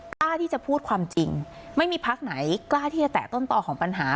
กล้าที่จะพูดความจริงไม่มีพักไหนกล้าที่จะแตะต้นต่อของปัญหา